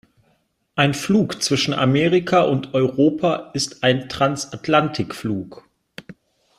Ein Flug zwischen Amerika und Europa ist ein Transatlantikflug.